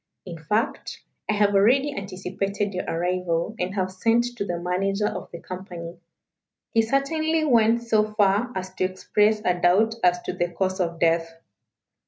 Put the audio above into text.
In fact, I have already anticipated your arrival, and have sent to the manager of the company. He certainly went so far as to express a doubt as to the cause of death.